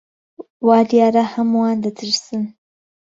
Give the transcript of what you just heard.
وا دیارە هەمووان دەترسن.